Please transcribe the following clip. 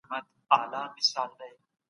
بهرنی سیاست د هیواد لپاره ګټوري پانګونې جذبوي.